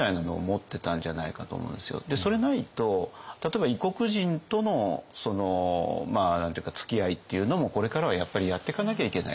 それないと例えば異国人とのつきあいっていうのもこれからはやっぱりやってかなきゃいけないと。